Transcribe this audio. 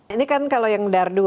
ini kan kalau yang dar dua